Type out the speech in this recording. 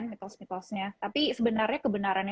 mitos mitosnya tapi sebenarnya kebenarannya